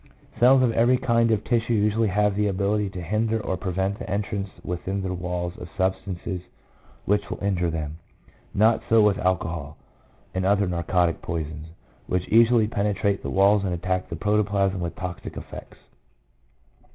Cells of every kind of tissue usually have the ability to hinder or prevent the entrance within their walls of substances which will injure them. Not so with alcohol and other narcotic poisons, which easily pene trate the walls and attack the protoplasm with toxic effects.